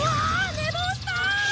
寝坊した！